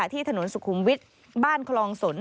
ที่ถนนสุขุมวิทย์บ้านคลองสน